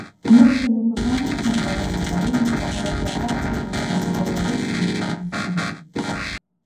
Месцамі па паўночнай палове краіны чакаюцца ападкі ў выглядзе дажджу і мокрага снегу.